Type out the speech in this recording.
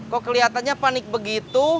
kok keliatannya panik begitu